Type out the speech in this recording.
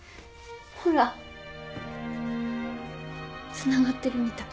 つながってるみたい。